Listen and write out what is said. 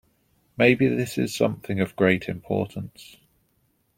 Maybe this is something of great importance.